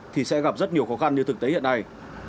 thì sẽ gặp rất nhiều khó khăn như thực tế hiện nay